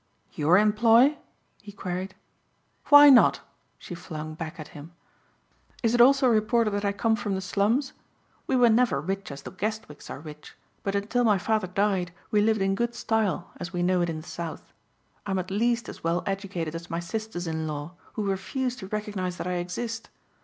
"Your employ?" he queried. "Why not?" she flung back at him. "Is it also reported that I come from the slums? We were never rich as the Guestwicks are rich, but until my father died we lived in good style as we know it in the South. I am at least as well educated as my sisters in law who refuse to recognize that I exist.